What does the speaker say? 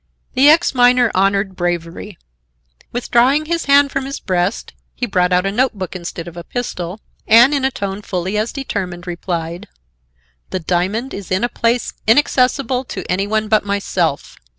The ex miner honored bravery. Withdrawing his hand from his breast, he brought out a note book instead of a pistol and, in a tone fully as determined, replied: "The diamond is in a place inaccessible to any one but myself.